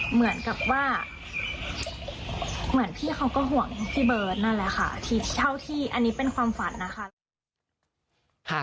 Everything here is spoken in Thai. เหมือนกับว่าเหมือนพี่เขาก็ห่วงพี่เบิร์ตนั่นแหละค่ะเท่าที่อันนี้เป็นความฝันนะคะ